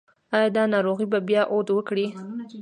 ایا دا ناروغي به بیا عود وکړي؟